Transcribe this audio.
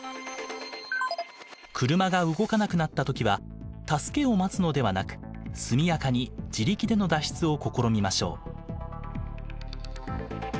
車が動かなくなった時は助けを待つのではなく速やかに自力での脱出を試みましょう。